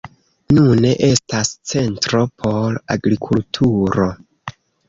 Nune estas centro por agrikulturo.